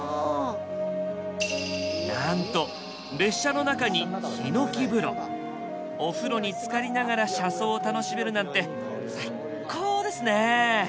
なんと列車の中にお風呂につかりながら車窓を楽しめるなんて最高ですね！